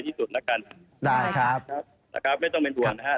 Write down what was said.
ถ่ายท่านไปกันหน้าแล้วกันทำให้น้องมันปลอดภัยที่สุด